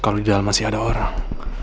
kalau di dalam masih ada orang